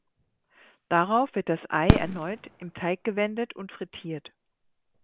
Darauf wird das Ei erneut im Teig gewendet und frittiert.